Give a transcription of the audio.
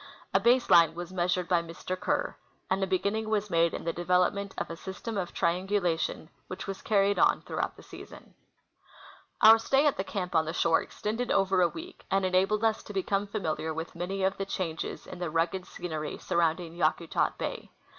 A base line Avas measured by Mr. Kerr, and a be ginning Avas made in the clcA^elopment of a system of triangu lation AA'hich Avas carried on throughout the season. Our stay at the camp on the shore extended OA^er a Aveek, and enabled us to become familiar Avith many of the changes in the rugged scenery surrounding Yakutat bay.